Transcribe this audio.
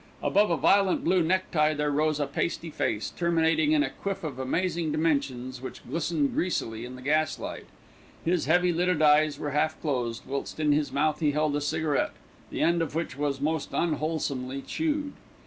Above a violent blue necktie there rose a pasty face, terminating in a quiff of amazing dimensions, which glistened greasily in the gaslight. His heavy lidded eyes were half closed, whilst in his mouth he held a cigarette, the end of which was most unwholesomely chewed.